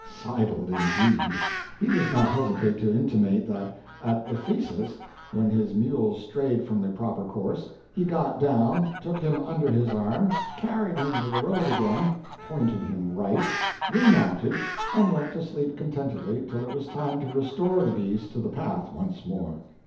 "Sidled," indeed! He does not hesitate to intimate that at Ephesus, when his mule strayed from the proper course, he got down, took him under his arm, carried him to the road again, pointed him right, remounted, and went to sleep contentedly till it was time to restore the beast to the path once more.